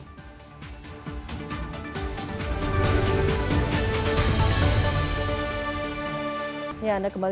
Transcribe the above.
tidak ada yang bisa dikawal